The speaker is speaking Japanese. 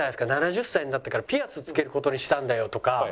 ７０歳になってからピアス着ける事にしたんだよとか。